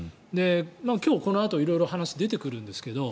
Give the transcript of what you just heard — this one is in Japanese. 今日、このあと色々と話が出てくるんですけど